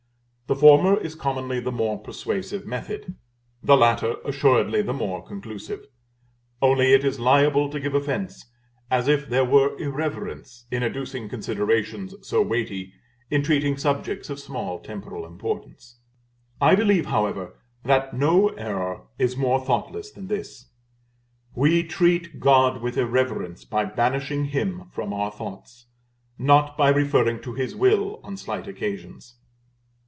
The former is commonly the more persuasive method, the latter assuredly the more conclusive; only it is liable to give offence, as if there were irreverence in adducing considerations so weighty in treating subjects of small temporal importance. I believe, however, that no error is more thoughtless than this. We treat God with irreverence by banishing Him from our thoughts, not by referring to His will on slight occasions.